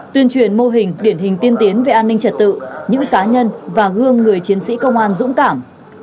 tuyên truyền mô hình điển hình tiên tiến về an ninh trật tự những cá nhân và gương người chiến sĩ công an dũng cảm